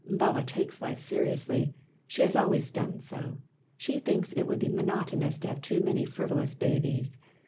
Bala takes life seriously, she has always done so; she thinks it would be monotonous to have too many frivolous babies.